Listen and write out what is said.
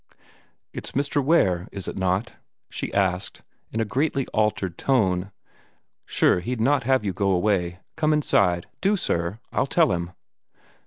"It's Mr. Ware, is it not?" she asked, in a greatly altered tone. "Sure, he'd not have you go away. Come inside do, sir! I'll tell him."